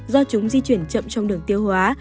do chúng di chuyển chậm trong đường tiêu hóa